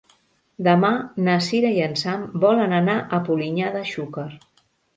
Demà na Cira i en Sam volen anar a Polinyà de Xúquer.